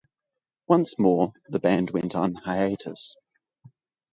Once more, the band went on hiatus.